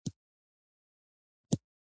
هو، نستوه د ژوند جنګ پهٔ یوازې سر وګاټهٔ!